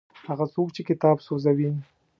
هغه څوک چې کتاب سوځوي.